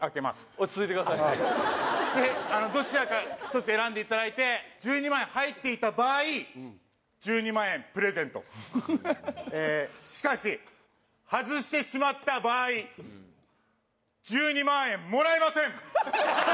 落ち着いてくださいでどちらか１つ選んでいただいて１２万円入っていた場合１２万円プレゼントしかし外してしまった場合１２万円もらえません